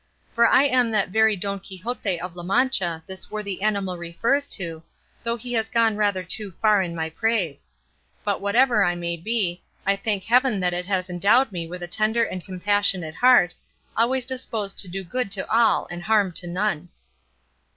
For I am that very Don Quixote of La Mancha this worthy animal refers to, though he has gone rather too far in my praise; but whatever I may be, I thank heaven that it has endowed me with a tender and compassionate heart, always disposed to do good to all and harm to none."